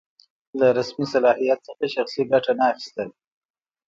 له رسمي صلاحیت څخه شخصي ګټه نه اخیستل.